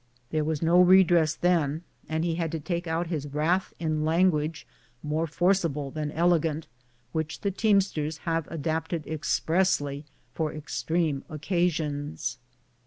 There was no redress then, and he had to take out his wrath in language more forcible than elegant, which the teamsters have adapted expressly for extreme occasions.